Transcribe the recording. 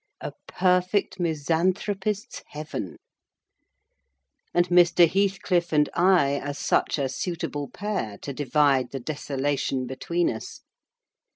A perfect misanthropist's Heaven—and Mr. Heathcliff and I are such a suitable pair to divide the desolation between us.